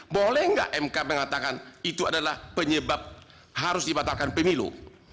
boleh nggak mk mengatakan itu adalah penyebab harus dibatalkan pemilu